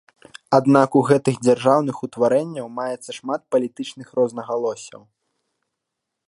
Аднак у гэтых дзяржаўных утварэнняў маецца шмат палітычных рознагалоссяў.